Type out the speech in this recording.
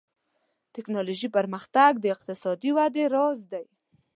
ټکنالوژي پرمختګ د اقتصادي ودې راز دی.